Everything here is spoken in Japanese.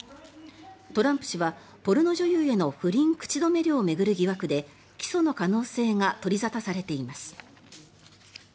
トランプ氏は、ポルノ女優への不倫口止め料を巡る疑惑で起訴の可能性が取り沙汰されています。